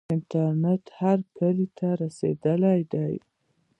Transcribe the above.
انټرنیټ هر کلي ته رسیدلی دی.